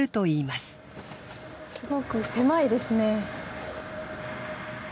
すごく狭いですね。